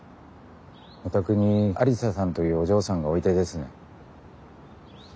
お宅にアリサさんというお嬢さんがおいでですね？